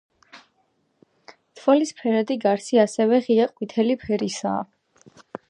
თვალის ფერადი გარსი ასევე ღია ყვითელი ფერისაა.